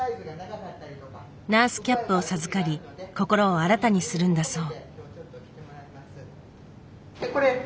ナースキャップを授かり心を新たにするんだそう。